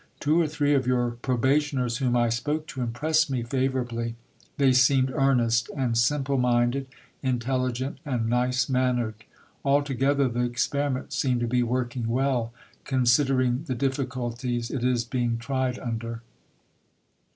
Two or three of your probationers whom I spoke to impressed me favourably. They seemed earnest and simple minded, intelligent and nice mannered. Altogether the experiment seemed to be working well, considering the difficulties it is being tried under.